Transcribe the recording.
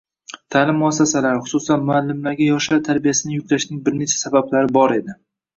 Ta’lim muassasalari, xususan, muallimlarga yoshlar tarbiyasini yuklashning bir necha sabablari bor edi